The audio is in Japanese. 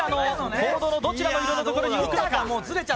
ボードのどちらのところに置くのか。